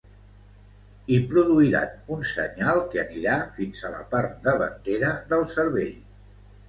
I produiran un senyal que anirà fins a la part davantera del cervell